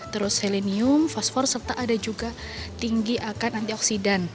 terus selenium fosfor serta ada juga tinggi akan antioksidan